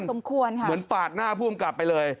สมควรค่ะค่ะค่ะค่ะเหมือนปาดหน้าผู้กำกับไปเลย